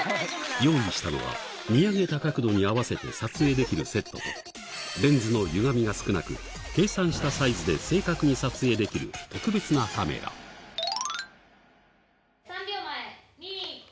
用意したのは見上げた角度に合わせて撮影できるセットとレンズのゆがみが少なく計算したサイズで正確に撮影できる特別なカメラ３秒前２・１。